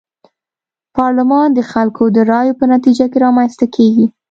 پارلمان د خلکو د رايو په نتيجه کي رامنځته کيږي.